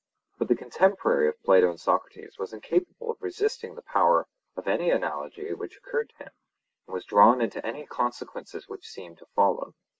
But the contemporary of Plato and Socrates was incapable of resisting the power of any analogy which occurred to him, and was drawn into any consequences which seemed to follow.